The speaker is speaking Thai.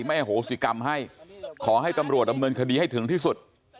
แม่โหสิกรรมให้ขอให้ตำรวจดำเนินคดีให้ถึงที่สุด